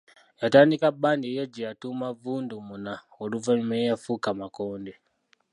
Yatandika bbandi eyiye gye yatuuma Vundumuna oluvannyuma eyafuuka Makonde.